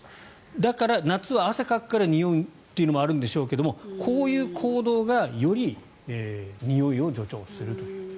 だから、夏は汗をかくからにおうというのもあるんでしょうがこういう行動がよりにおいを助長すると。